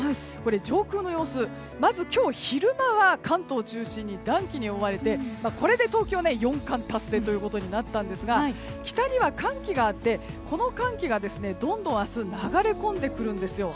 上空の様子、まず今日昼間は関東を中心に暖気に覆われてこれで東京は四冠達成となったんですが北には寒気があって、この寒気がどんどん明日流れ込んでくるんですよ。